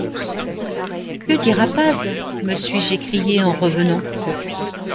Que dira Paz? me suis-je écrié en revenant.